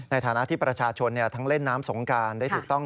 ในฐานะที่ประชาชนทั้งเล่นน้ำสงการได้ถูกต้อง